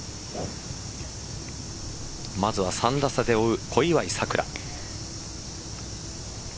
まずは３打差で追う小祝さくら。